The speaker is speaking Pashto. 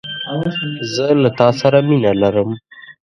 زه له تاسره مینه لرم